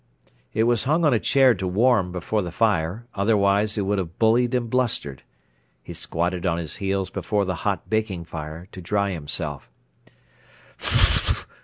It was hung on a chair to warm before the fire, otherwise he would have bullied and blustered. He squatted on his heels before the hot baking fire to dry himself. "F ff f!"